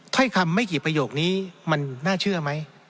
ถ้อยคำไม่กี่ประโยคนี้มันน่าเชื่อไหม